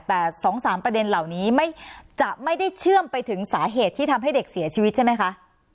แต่๒๓ประเด็นเหล่านี้จะไม่ได้เชื่อมไปถึงสาเหตุที่ทำให้เด็กเสียชีวิตใช่ไหมคะ